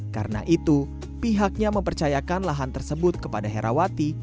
karena itu pihaknya mempercayakan lahan tersebut kepada herawati